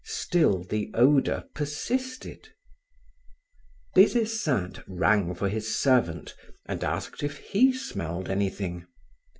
Still the odor persisted. Des Esseintes rang for his servant and asked if he smelled anything.